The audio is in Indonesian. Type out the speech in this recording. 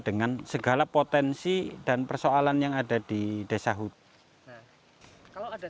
dengan segala potensi dan persoalan yang ada di desa hutan